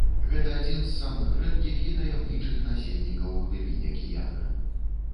Гэта адзін з самых рэдкіх і таямнічых насельнікаў глыбінь акіяна.